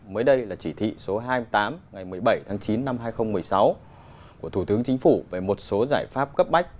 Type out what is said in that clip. mới đây là chỉ thị số hai mươi tám ngày một mươi bảy tháng chín năm hai nghìn một mươi sáu của thủ tướng chính phủ về một số giải pháp cấp bách